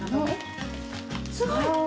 すごい！